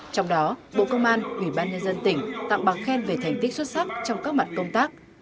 trong đó bộ công an ủy ban nhân dân tỉnh tặng bằng khen về thành tích xuất sắc trong các mặt công tác